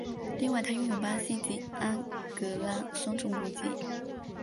另外他拥有巴西及安哥拉双重国籍。